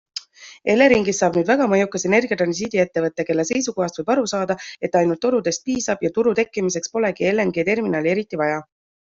Eleringist saab nüüd väga mõjukas energiatransiidi ettevõte, kelle seisukohast võib aru saada, et ainult torudest piisab ja turu tekkimiseks polegi LNG-terminali eriti vaja.